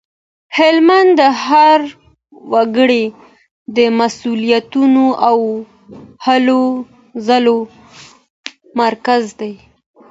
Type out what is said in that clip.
هلمند د هر وګړي د مسولیتونو او هلو ځلو مرکز دی.